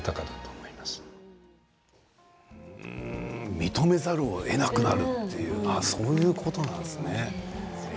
認めざるをえなくなるそういうことなんですね。